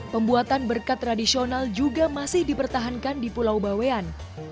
pembuatan berkat tradisional juga masih dipertahankan di pulau bawean